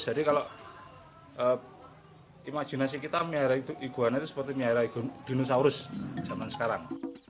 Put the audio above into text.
jadi kalau imajinasi kita melihara iguana itu seperti melihara dinosaurus zaman sekarang